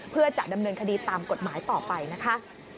เพื่อจะดำเนินคดีตามกฎหมายต่อไปนะคะ